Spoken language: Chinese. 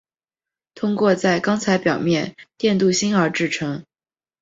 通过在钢材表面电镀锌而制成。